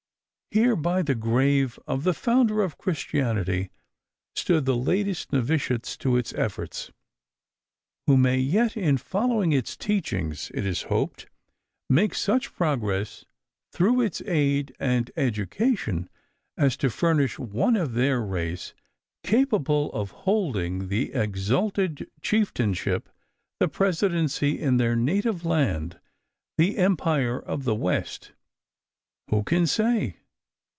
Here by the grave of the founder of Christianity stood the latest novitiates to its efforts, who may yet, in following its teaching, it is hoped, make such progress through its aid and education as to furnish one of their race capable of holding the exalted chieftainship, the presidency in their native land the Empire of the West. Who can say?